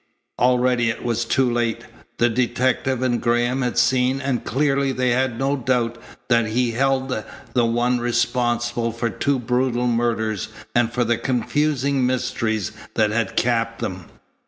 Already it was too late. The detective and Graham had seen, and clearly they had no doubt that he held the one responsible for two brutal murders and for the confusing mysteries that had capped them.